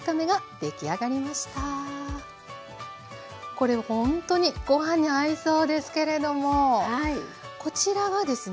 これほんとにご飯に合いそうですけれどもこちらはですね